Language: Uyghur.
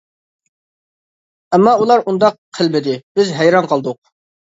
ئەمما ئۇلار ئۇنداق قىلمىدى، بىز ھەيران قالدۇق.